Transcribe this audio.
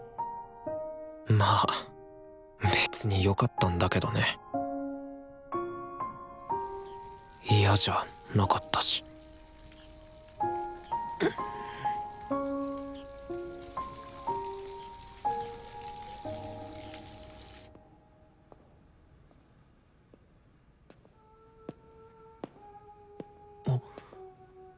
まあ別によかったんだけどね嫌じゃなかったし・あっ。